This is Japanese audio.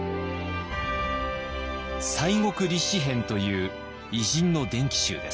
「西国立志編」という偉人の伝記集です。